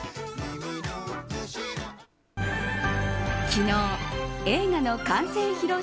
昨日映画の完成披露